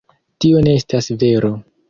Tio ne estas vero.